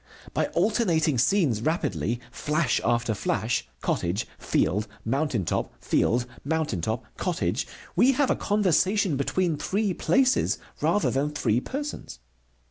By alternating scenes rapidly, flash after flash: cottage, field, mountain top, field, mountain top, cottage, we have a conversation between three places rather than three persons.